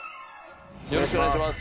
よろしくお願いします